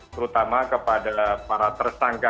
terutama kepada para tersangka